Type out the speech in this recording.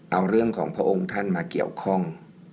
เอาเรื่องของพระองค์ท่านมาเกี่ยวข้อง